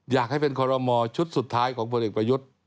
อยากให้เป็นคอรมอชุดสุดท้ายของพลเอกประยุทธ์